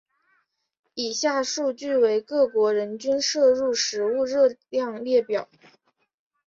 以下数据为各国人均摄入食物热量列表。